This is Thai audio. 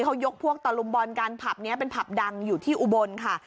เขายกพวกตะลุมบอลกันผับนี้เป็นผับดังอยู่ที่อุบลค่ะ